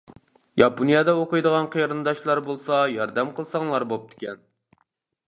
ياپونىيەدە ئوقۇيدىغان قېرىنداشلار بولسا ياردەم قىلساڭلار بوپتىكەن.